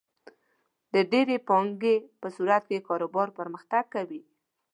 د ډېرې پانګې په صورت کې کاروبار پرمختګ کوي.